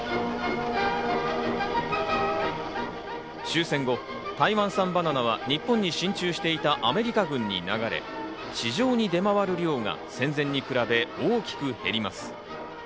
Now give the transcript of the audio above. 終戦後、台湾産バナナは日本に進駐していたアメリカ軍に流れ、市場に出回る量が戦前に比べ大きく減ります。